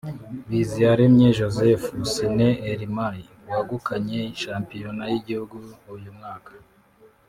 Biziyaremye Joseph (Cine Elmay) wagukanye shampiyona y’igihugu uyu mwaka